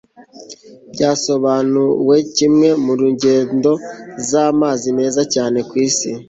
byasobanuwekimwe mu ngendo z'amazi meza cyane ku isi